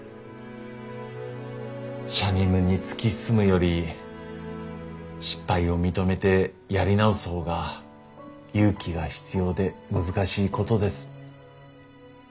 しゃにむに突き進むより失敗を認めてやり直す方が勇気が必要で難しいことです。